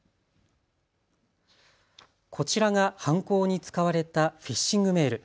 こちらが犯行に使われたフィッシングメール。